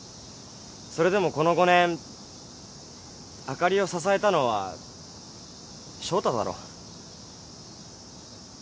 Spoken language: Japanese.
それでもこの５年あかりを支えたのは翔太だろ？